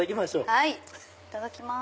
はいいただきます。